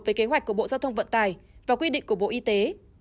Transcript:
về kế hoạch của bộ giao thông vận tài và quy định của bộ y tế